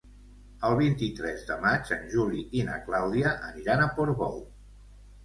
El vint-i-tres de maig en Juli i na Clàudia aniran a Portbou.